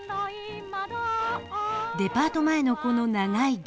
デパート前のこの長い行列。